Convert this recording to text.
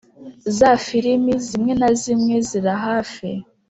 za firimi zimwe na zimwe zirahafi.